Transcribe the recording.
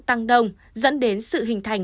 tăng đông dẫn đến sự hình thành